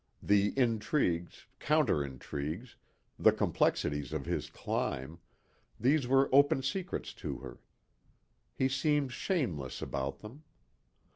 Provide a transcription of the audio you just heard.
The intrigues, counter intrigues, the complexities of his climb, these were open secrets to her. He seemed shameless about them.